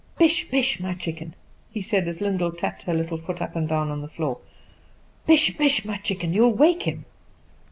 "Bish! bish! my chicken," he said, as Lyndall tapped her little foot up and down upon the floor. "Bish! bish! my chicken, you will wake him."